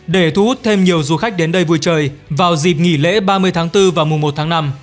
để thu hút thêm nhiều du khách đến đây vui chơi vào dịp nghỉ lễ ba mươi tháng bốn và mùa một tháng năm